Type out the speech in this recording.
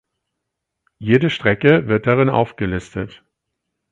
Jede Strecke wird darin aufgelistet.